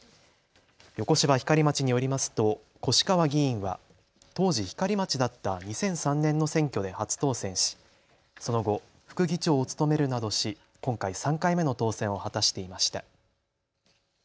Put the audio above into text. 横芝光町によりますと越川議員は当時、光町だった２００３年の選挙で初当選しその後、副議長を務めるなどし今回３回目の当選を果たしていました。